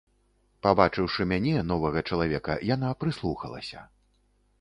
Пабачыўшы мяне, новага чалавека, яна прыслухалася.